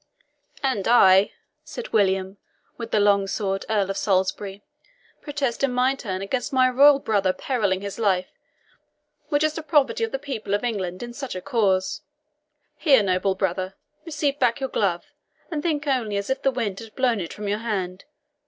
"And I," said William with the Long Sword, Earl of Salisbury, "protest in my turn against my royal brother perilling his life, which is the property of the people of England, in such a cause. Here, noble brother, receive back your glove, and think only as if the wind had blown it from your hand.